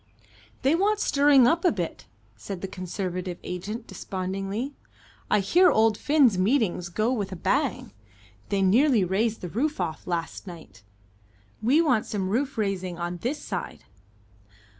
"They want stirring up a bit," said the Conservative agent despondently. "I hear old Finn's meetings go with a bang. They nearly raised the roof off last night. We want some roof raising on this side."